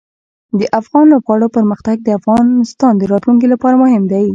د افغان لوبغاړو پرمختګ د افغانستان راتلونکې لپاره مهم دی.